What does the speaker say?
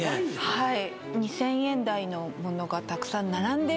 はい。